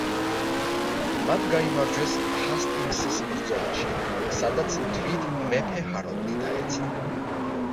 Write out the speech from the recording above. მათ გაიმარჯვეს ჰასტინგსის ბრძოლაში, სადაც თვით მეფე ჰაროლდი დაეცა.